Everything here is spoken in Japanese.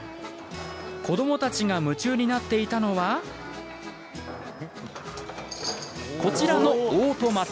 子どもたちが夢中になっていたのはこちらのオートマタ。